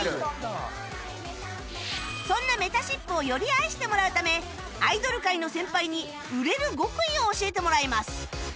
そんなめたしっぷをより愛してもらうためアイドル界の先輩に売れる極意を教えてもらいます